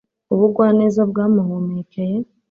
Ubugwaneza bwamuhumekeye